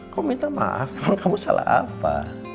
kau minta maaf kalau kamu salah apa